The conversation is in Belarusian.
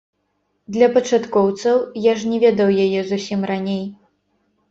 Для пачаткоўцаў, я ж не ведаў яе зусім раней.